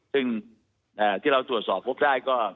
ซึ่งที่เราตรวจสอบพบได้ก็